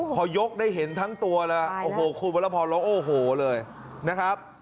พอยกได้เห็นทั้งตัวเลยโอ้โหคุณวรพรร้องโอ้โหเลยนะครับ